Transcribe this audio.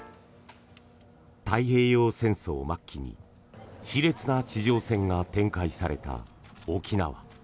太平洋戦争末期に熾烈な地上戦が展開された沖縄。